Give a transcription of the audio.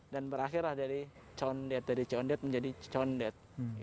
dan berakhirlah dari condet menjadi condet